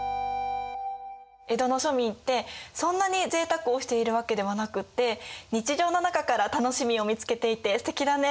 江戸の庶民ってそんなにぜいたくをしているわけではなくって日常の中から楽しみを見つけていてすてきだね。